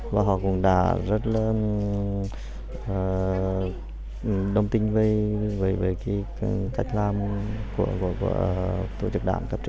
và họ cũng đã rất đồng tình với cách làm của tổ chức đảng cấp trên